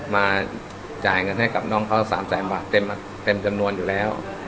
มาจ่ายเงินให้กับน้องเขา๓แสนบาทเต็มจำนวนอยู่แล้ว